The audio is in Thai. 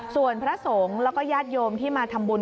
ส่วนพระสงฆ์แล้วก็ญาติโยมที่มาทำบุญ